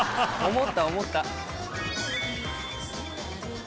思った思った。